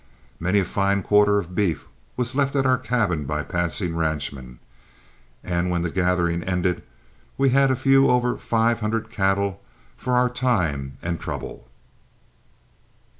Many a fine quarter of beef was left at our cabin by passing ranchmen, and when the gathering ended we had a few over five hundred cattle for our time and trouble.